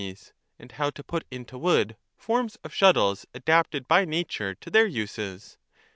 And how to put into wood forms of shuttles adapted by nature to their uses?